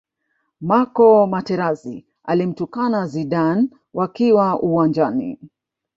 marco materazi alimtukana zidane wakiwa uwanjani